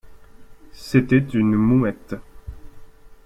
C’était une mouette.